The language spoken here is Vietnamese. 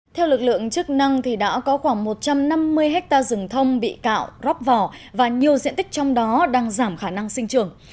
theo lực lượng chức năng đã có khoảng một trăm năm mươi hectare rừng thông bị cạo róp vỏ và nhiều diện tích trong đó đang giảm khả năng sinh trường